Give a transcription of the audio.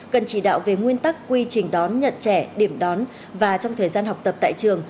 cần chỉ đạo về nguyên tắc quy trình đón nhận trẻ điểm đón và trong thời gian học tập tại trường